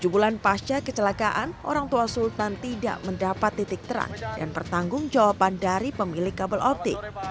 tujuh bulan pasca kecelakaan orang tua sultan tidak mendapat titik terang dan pertanggung jawaban dari pemilik kabel optik